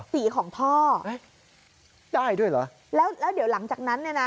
สีของพ่อได้ด้วยเหรอแล้วแล้วเดี๋ยวหลังจากนั้นเนี่ยนะ